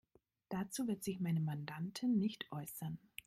Dazu wird sich meine Mandantin nicht äußern.